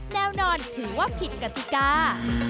แน่นอนถือว่าผิดกติกา